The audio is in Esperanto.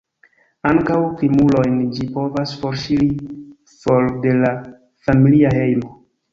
Ankaŭ krimulojn ĝi povas forŝiri for de la familia hejmo.